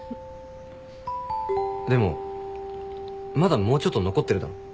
でもまだもうちょっと残ってるだろ。